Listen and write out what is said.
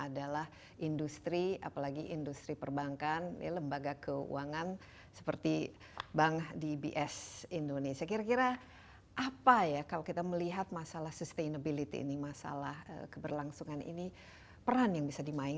dan juga untuk mengembangkan kemampuan ekonomi